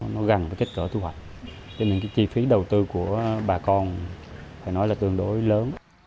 nó gần với kích cỡ thu hoạch cho nên cái chi phí đầu tư của bà con phải nói là tương đối lớn